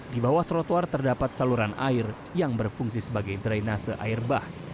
di bawah trotoar terdapat saluran air yang berfungsi sebagai drainase air bah